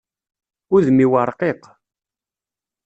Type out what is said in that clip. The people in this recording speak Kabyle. Udem-iw ṛqiq.